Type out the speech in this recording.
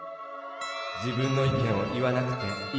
自分の意見を言わなくていいんですか？